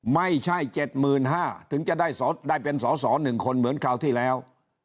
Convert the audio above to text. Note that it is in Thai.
ไม่ใช่๗๕๐๐ถึงจะได้เป็นสอสอ๑คนเหมือนคราวที่แล้ว